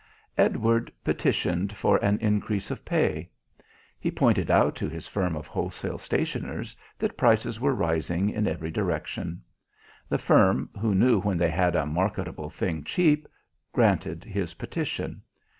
Edward petitioned for an increase of pay. He pointed out to his firm of wholesale stationers that prices were rising in every direction. The firm, who knew when they had a marketable thing cheap, granted his petition.